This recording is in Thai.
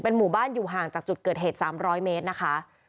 หมู่บ้านอยู่ห่างจากจุดเกิดเหตุ๓๐๐เมตรนะคะ